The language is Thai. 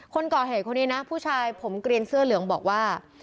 คนก่อเหตุคนนี้นะผู้ชายผมเกลียนเสื้อเหลืองบอกว่า